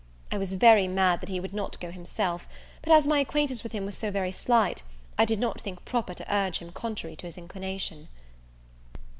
I was very mad that he would not go himself; but as my acquaintance with him was so very slight, I did not think proper to urge him contrary to his inclination.